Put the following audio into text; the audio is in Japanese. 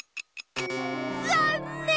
ざんねん！